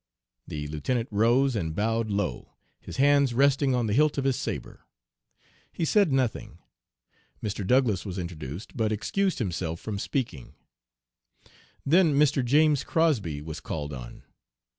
The Lieutenant rose and bowed low, his hands resting on the hilt of his sabre. He said nothing. Mr. Douglass was introduced, but excused himself from speaking. "Then Mr. James Crosby was called on.